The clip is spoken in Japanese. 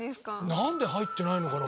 なんで入ってないのかな？